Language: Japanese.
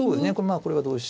これは同飛車